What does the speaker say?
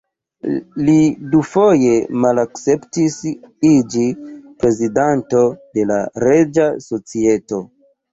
Li dufoje malakceptis iĝi Prezidanto de la Reĝa Societo.